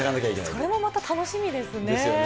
それもまた楽しみですよね。